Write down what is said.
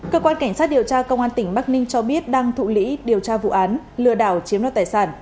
cơ quan cảnh sát điều tra công an tỉnh bắc ninh cho biết đang thụ lý điều tra vụ án lừa đảo chiếm đoạt tài sản